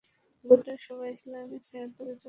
গোত্রের সবাই ইসলামের ছায়াতলে চলে আসে।